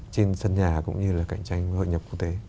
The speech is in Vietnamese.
trên sân nhà cũng như là cạnh tranh với hội nhập quốc tế